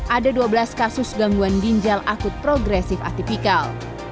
ada dua belas kasus gangguan ginjal akut progresif atipikal